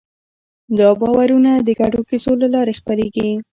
دا باورونه د ګډو کیسو له لارې خپرېږي.